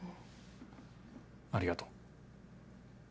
ありがとう。